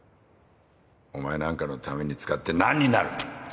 お前なんかのために使って何になる！